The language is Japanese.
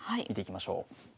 見ていきましょう。